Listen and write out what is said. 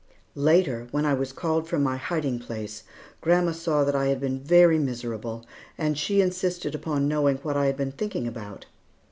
Later, when I was called from my hiding place, grandma saw that I had been very miserable, and she insisted upon knowing what I had been thinking about.